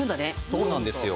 そうなんですよ。